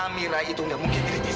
amira itu gak mungkin kritis